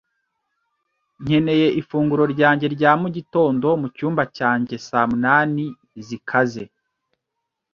nkeneye ifunguro ryanjye rya mugitondo mucyumba cyanjye saa munani zikaze.